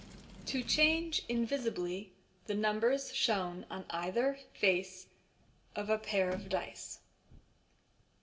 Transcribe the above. To Change, invisibly, the Numbers shown on either Face of a Pair of Dice.